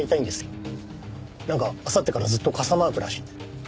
なんかあさってからずっと傘マークらしいんで。